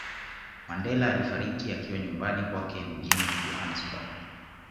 Mandela alifariki akiwa nyumbani kwake mjini Johanesburg